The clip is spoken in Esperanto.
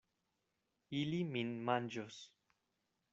Ili min manĝos.